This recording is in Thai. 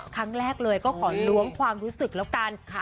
ครั้งแรกเลยก็ขอล้วงความรู้สึกแล้วกัน